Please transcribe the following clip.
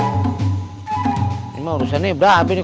ini mah urusannya berat nih